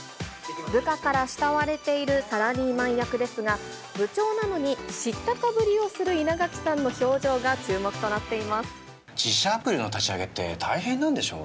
部下から慕われているサラリーマン役ですが、部長なのに知ったかぶりをする稲垣さんの表情が注目となっていま自社アプリの立ち上げって大変なんでしょう？